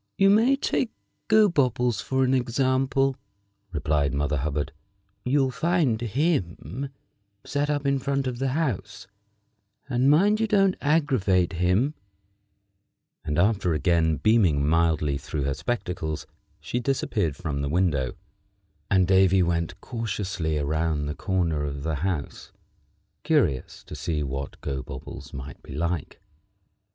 "You may take Gobobbles for an example," replied Mother Hubbard. "You'll find him set up in front of the house, and mind you don't aggravate him;" and after again beaming mildly through her spectacles she disappeared from the window, and Davy went cautiously around the corner of the house, curious to see what Gobobbles might be like.